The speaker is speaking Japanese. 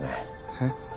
えっ？